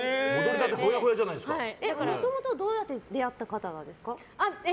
もともとは、どうやって出会った方なんですか？